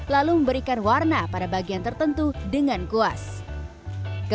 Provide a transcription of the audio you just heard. lalu memberikan warna pada bagian tertentu dengan g breathe